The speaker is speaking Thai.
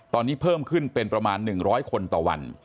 ตอนนี้เพิ่มขึ้นเป็นประมาณ๑๐๐คนต่อวัน